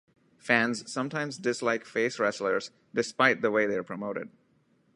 Fans sometimes dislike face wrestlers despite the way they are promoted.